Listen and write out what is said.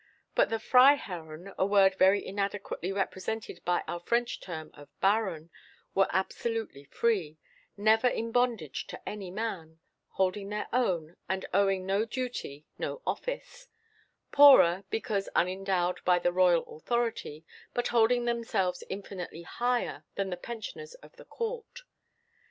But the Freiherren, a word very inadequately represented by our French term of baron, were absolutely free, "never in bondage to any man," holding their own, and owing no duty, no office; poorer, because unendowed by the royal authority, but holding themselves infinitely higher, than the pensioners of the court.